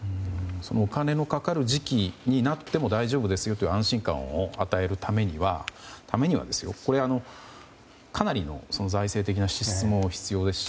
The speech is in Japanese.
お金のかかる時期になっても、大丈夫ですよという安心感を与えるためにはかなりの財政的な支出も必要ですし